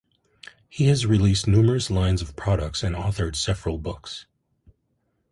He has released numerous lines of products and authored several books.